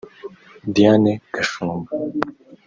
Diane Gashumba